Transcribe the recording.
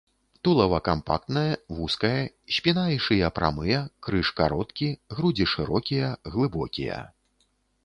Тулава кампактнае, вузкае, спіна і шыя прамыя, крыж кароткі, грудзі шырокія, глыбокія.